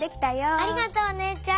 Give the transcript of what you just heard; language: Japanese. ありがとうお姉ちゃん。